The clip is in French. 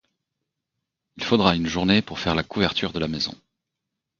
Il faudra une journée pour faire la couverture de la maison